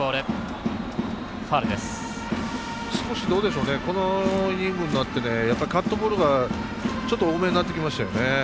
少し、このイニングになってカットボールがちょっと多めになってきましたよね。